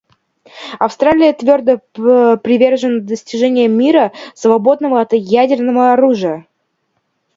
Австралия твердо привержена достижению мира, свободного от ядерного оружия.